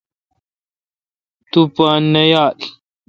تہ پو نہ یال۔